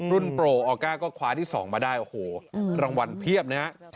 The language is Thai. โปรออก้าก็คว้าที่๒มาได้โอ้โหรางวัลเพียบนะฮะ